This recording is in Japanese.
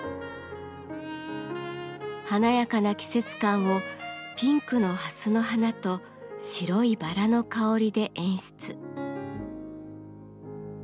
華やかな季節感をピンクのハスの花と白いバラの香りで演出。